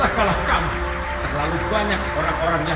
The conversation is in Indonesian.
itu kaya sebuah burung semula